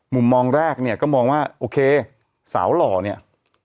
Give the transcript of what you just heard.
มุมมองแรกเนี่ยก็มองว่าโอเคสาวหล่อเนี่ย